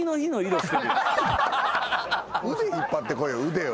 腕引っ張ってこい腕を。